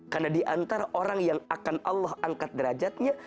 karena diantara orang yang akan allah angkat derajatnya